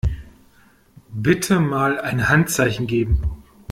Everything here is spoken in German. Bitte mal ein Handzeichen geben.